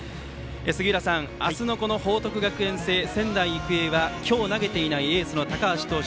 杉浦さん、明日の報徳学園戦仙台育英は今日投げていないエースの高橋投手